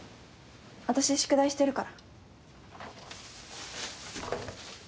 私宿題してるから。